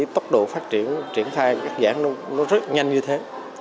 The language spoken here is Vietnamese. tốc độ phát triển triển khai rất nhanh như thế